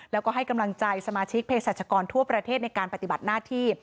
แล้วก็ให้กำลังใจสมาชิกเพศรัชกรทั่วประเทศในการปฏิบัติหน้าที่